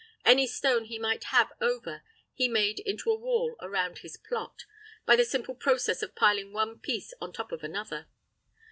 Any stone he might have over he made into a wall around his plot, by the simple process of piling one piece on top of another.